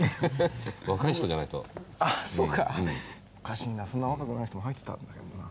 おかしいなそんな若くない人も入ってたんだけどな。